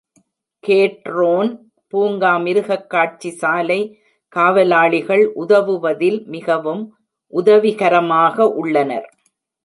கேட்ரோன் பூங்கா மிருகக்காட்சிசாலை காவலாளிகள் உதவுவதில் மிகவும் உதவிகரமாக உள்ளனர்.